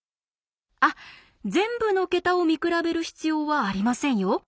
あっ全部の桁を見比べる必要はありませんよ。